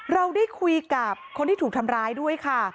เราได้คุยกับคนที่ถูกทำร้ายด้วยค่ะ